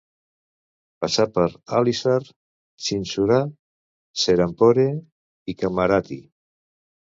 Passa per Halisahar, Chinsurah, Serampore i Kamarhati.